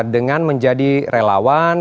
dengan menjadi relawan